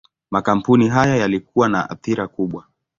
Makampuni haya yalikuwa na athira kubwa.